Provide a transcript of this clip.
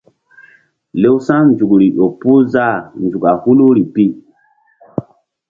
Lewsa̧ nzukri ƴo puh zah nzuk a huluri pi.